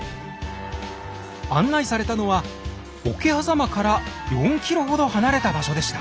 案内されたのは桶狭間から４ｋｍほど離れた場所でした。